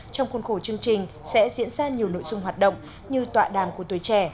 trong khuôn khổ chương trình sẽ diễn ra nhiều nội dung hoạt động như tọa đàm của tuổi trẻ